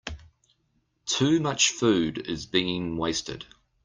Too much food is being wasted.